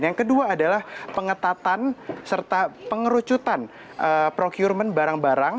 yang kedua adalah pengetatan serta pengerucutan procurement barang barang